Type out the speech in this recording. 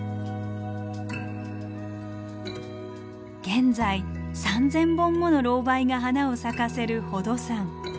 現在３，０００本ものロウバイが花を咲かせる宝登山。